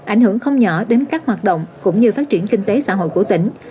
ảnh hưởng không nhỏ đến các hoạt động cũng như phát triển kinh tế xã hội của tỉnh